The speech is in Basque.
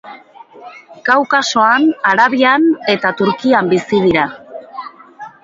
Kaukasoan, Arabian eta Turkian bizi dira.